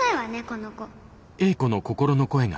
この子。